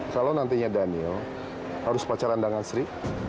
kalau nantinya daniel harus pacaran dengan sri